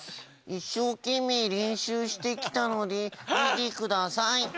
一生懸命練習して来たので見てください。